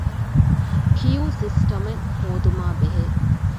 ކިޔޫ ސިސްޓަމެއް ހޯދުމާބެހޭ